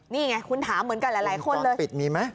นี่ไงคุณถามเหมือนกับหลายคนเลย